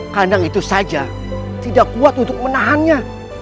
kandang itu saja tidak kuat untuk menahannya